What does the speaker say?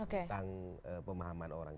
tentang pemahaman orang